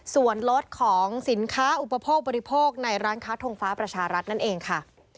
ส่วนลดของสินค้าอุปโภคบริโภคในร้านค้าทงฟ้าประชารัฐนั่นเองค่ะ